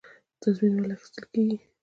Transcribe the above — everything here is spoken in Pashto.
تضمین ولې اخیستل کیږي؟